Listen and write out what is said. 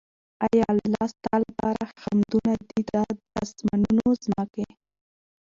اې الله ! ستا لپاره حمدونه دي ته د آسمانونو، ځمکي